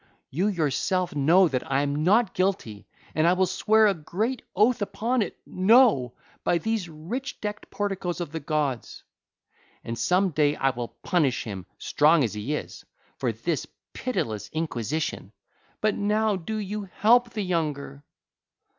You yourself know that I am not guilty: and I will swear a great oath upon it:—No! by these rich decked porticoes of the gods. And some day I will punish him, strong as he is, for this pitiless inquisition; but now do you help the younger.